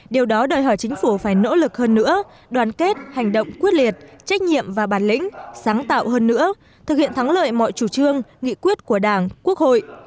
điều đó đòi hỏi chính phủ phải nỗ lực hơn nữa đoàn kết hành động quyết liệt trách nhiệm và bản lĩnh sáng tạo hơn nữa thực hiện thắng lợi mọi chủ trương nghị quyết của đảng quốc hội